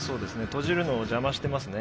閉じるのを邪魔してますね